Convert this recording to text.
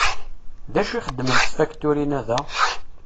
D acu i xeddment tfakturin-a da?